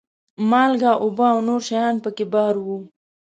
مالګه، بوره او نور شیان په کې بار وو.